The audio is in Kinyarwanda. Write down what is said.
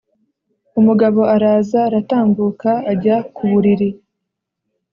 Umugabo araza, aratambuka, ajya ku buriri.